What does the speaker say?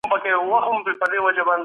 سیاست په رښتیا د ټولنې د سمون هڅه ده.